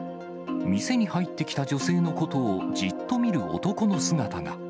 店に入ってきた女性のことをじっと見る男の姿が。